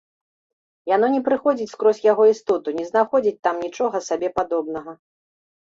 Яно не праходзіць скрозь яго істоту, не знаходзіць там нічога сабе падобнага.